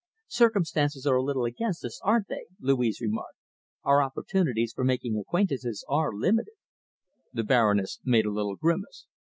"Circumstances are a little against us, aren't they?" Louise remarked. "Our opportunities for making acquaintances are limited." The Baroness made a little grimace.